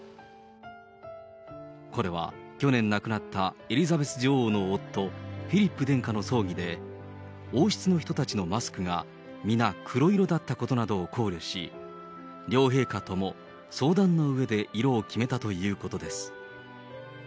これは、去年亡くなったエリザベス女王の夫、フィリップ殿下の葬儀で、王室の人たちのマスクが皆、黒色だったことなどを考慮し、両陛下とも相談のうえで色を決めたということです。